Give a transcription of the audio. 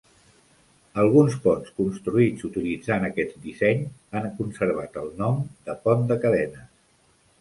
Alguns ponts construïts utilitzant aquest disseny han conservat el nom de "pont de cadenes".